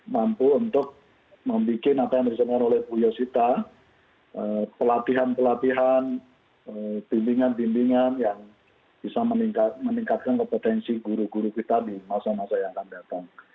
mampu untuk membuat apa yang disampaikan oleh bu yosita pelatihan pelatihan bimbingan bimbingan yang bisa meningkatkan kompetensi guru guru kita di masa masa yang akan datang